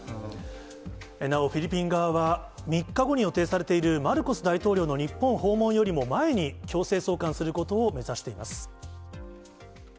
なおフィリピン側は、３日後に予定されているマルコス大統領の日本訪問よりも前に、強制送還することを目指しています。